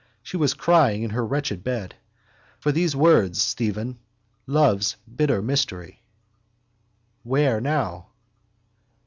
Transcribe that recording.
She was crying in her wretched bed. For those words, Stephen: love's bitter mystery. Where now?